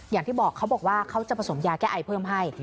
อย่างที่บอกเขาบอกว่าเขาจะผสมยาแก้ไอเพิ่มให้